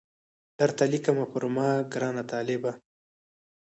درته لیکمه پر ما ګران طالبه